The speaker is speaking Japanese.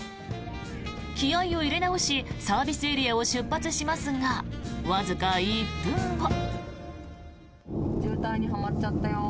気合を入れ直しサービスエリアを出発しますがわずか１分後。